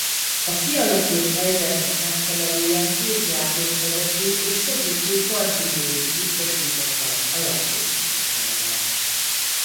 A kialakult helyzetnek megfelelően két játékvezető és segítő partbíróik biztosították a játék tisztaságát.